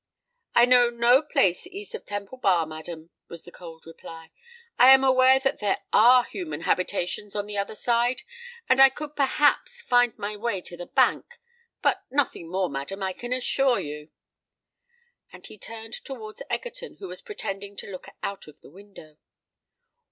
"I know no place east of Temple Bar, madam," was the cold reply. "I am aware that there are human habitations on the other side; and I could perhaps find my way to the Bank—but nothing more, madam, I can assure you." And he turned towards Egerton, who was pretending to look out of the window.